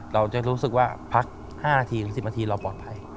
เราจะรู้สึกว่าพัก๕๑๐นาทีเราปลอดภัย